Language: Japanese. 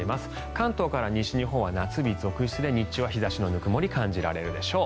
関東から西日本は夏日続出で日中は日差しのぬくもりを感じられるでしょう。